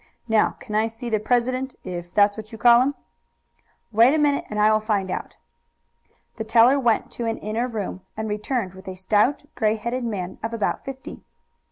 Now can I see the president, if that's what you call him?" "Wait a minute and I will find out." The teller went to an inner room and returned with a stout, gray headed man of about fifty.